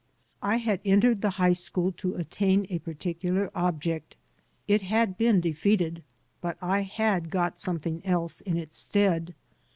I had entered the high school to attain a particular object. It had been defeated; but I had got something else in its stead.